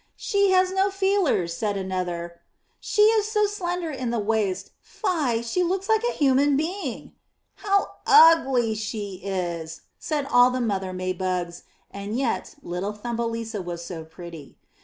'* ''She has no feelers!" said another. "She is so slender in the waist, fie, she looks like a human being.'' "How ugly she is," said all the mother May bugs, and yet little Thumbelisa was so pretty.